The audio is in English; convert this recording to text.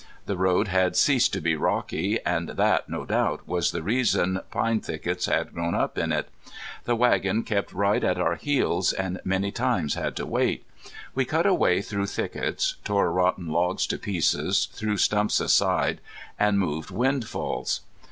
The road had ceased to be rocky, and that, no doubt, was the reason pine thickets had grown up on it, The wagon kept right at our heels, and many times had to wait. We cut a way through thickets, tore rotten logs to pieces, threw stumps aside, and moved windfalls.